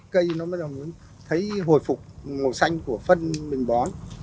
cây nó bắt đầu thấy hồi phục màu xanh của phân mình bón